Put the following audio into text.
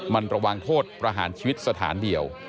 มันระวังโทษประหารชีวิตสถานเดียว